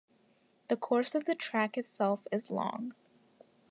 The course of the track itself is long.